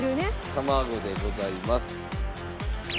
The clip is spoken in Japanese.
卵でございます。